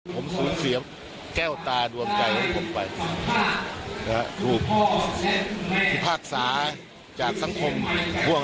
ผมสูญเสียแก้วตาดวงใจของผมไปถูกพิพากษาจากสังคมพ่วง